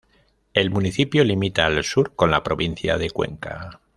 El municipio limita al sur con la provincia de Cuenca.